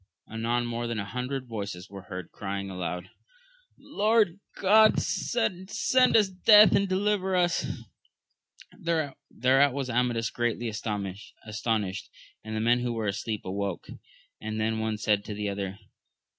Anon more than a hundred voices were heard crying aloud, Lord God send us death and deliver us! Thereat was Amadis greatly astonished ; and the men who were asleep awoke, and the one sMd to the other.